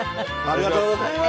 ありがとうございます。